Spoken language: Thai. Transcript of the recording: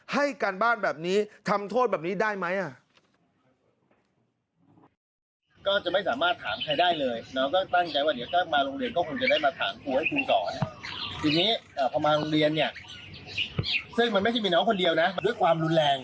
ให้การบ้านแบบนี้ทำโทษแบบนี้ได้ไหม